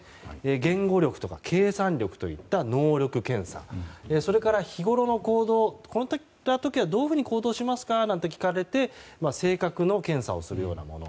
言語力とか計算力といった能力検査それから日ごろの行動こういう時はどういうふうに行動しますかなどと聞かれて性格の検査をするようなもの。